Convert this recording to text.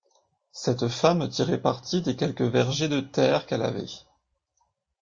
Cette femme tirait parti des quelques vergées de terre qu’elle avait.